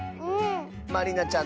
まりなちゃん